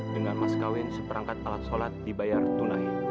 dengan mas kawin seperangkat alat sholat dibayar tunai